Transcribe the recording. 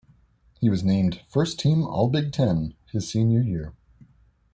He was named "First Team All-Big Ten" his Senior year.